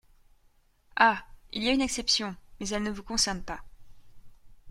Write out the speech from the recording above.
Ah ! il y a une exception, mais elle ne vous concerne pas.